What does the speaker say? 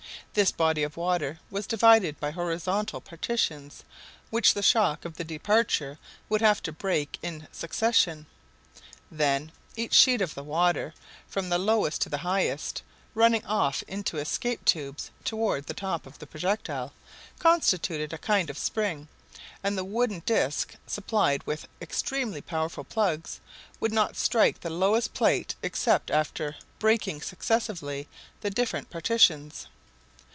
This body of water was divided by horizontal partitions, which the shock of the departure would have to break in succession. Then each sheet of the water, from the lowest to the highest, running off into escape tubes toward the top of the projectile, constituted a kind of spring; and the wooden disc, supplied with extremely powerful plugs, could not strike the lowest plate except after breaking successively the different partitions.